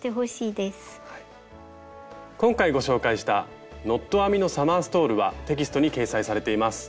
今回ご紹介した「ノット編みのサマーストール」はテキストに掲載されています。